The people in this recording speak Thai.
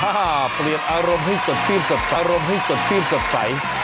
ฮ่าเปลี่ยนอารมณ์ให้สดสิ้นสดใส